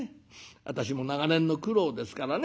私も長年の苦労ですからね。